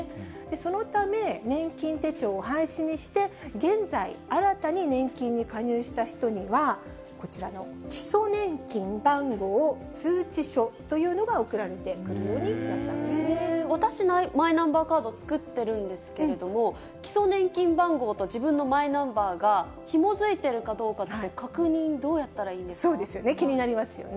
そのため、年金手帳を廃止にして、現在、新たに年金に加入した人には、こちらの基礎年金番号通知書というのが送られてくるようになった私、マイナンバーカード作ってるんですけれども、基礎年金番号と自分のマイナンバーがひも付いているかどうかって、そうですよね、気になりますよね。